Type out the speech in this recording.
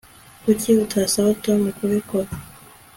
Kuki utasaba Tom kubikora